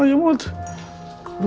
nggak ada apa apa